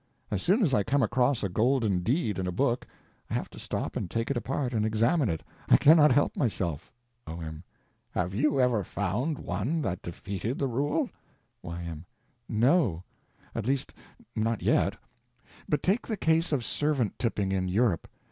As soon as I come across a golden deed in a book I have to stop and take it apart and examine it, I cannot help myself. O.M. Have you ever found one that defeated the rule? Y.M. No—at least, not yet. But take the case of servant—tipping in Europe.